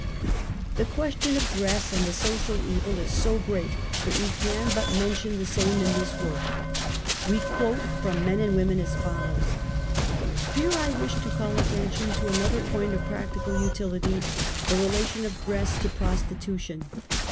The question of dress and the social evil is so great that we can but mention the same in this work. We quote from men and women as follows : Here I wish to call attention to another point of practical utility — the relation of dress to prostitu tion.